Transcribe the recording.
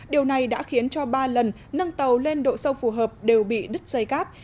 điều này đã khiến cho ba lần nâng tàu lên độ sâu phù hợp đều bị đứt dây cáp